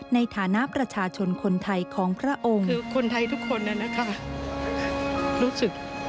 ในฐานะประชาชนคนไทยของพระองค์